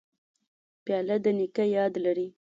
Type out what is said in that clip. پیاله د نیکه یاد لري.